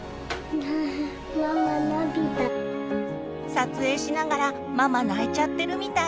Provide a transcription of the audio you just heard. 撮影しながらママ泣いちゃってるみたい。